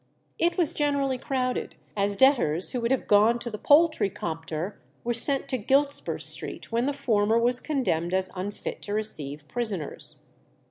It was generally crowded, as debtors who would have gone to the Poultry Compter were sent to Giltspur Street when the former was condemned as unfit to receive prisoners.